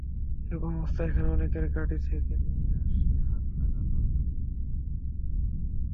এরকম অবস্থায় এখানে অনেকেই গাড়ি থেকে নেমে আসে হাত লাগানোর জন্য।